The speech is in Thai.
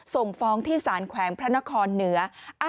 ส่งฟ้องที่สารแขวงพระนครเหนือ